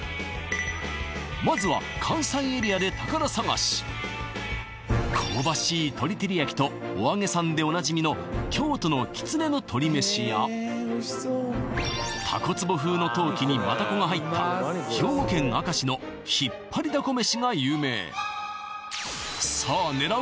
まずは関西エリアで宝探し香ばしい鶏照り焼きとおあげさんでおなじみの京都のきつねの鶏めしや蛸壷風の陶器にマダコが入った兵庫県明石のひっぱりだこ飯が有名さあ狙う